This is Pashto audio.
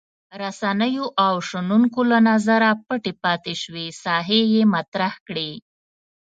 رسنیو او شنونکو له نظره پټې پاتې شوې ساحې یې مطرح کړې.